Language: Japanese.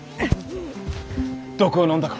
毒をのんだか。